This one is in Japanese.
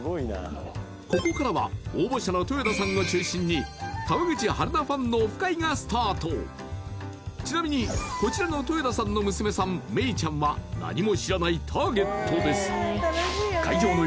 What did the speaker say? ここからは応募者の豊田さんを中心に川口春奈ファンのオフ会がスタートちなみにこちらの豊田さんの娘さんめいちゃんは何も知らないターゲットです